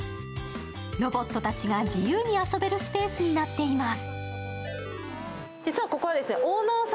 ロボットたちが自由に遊べるスペースになっています。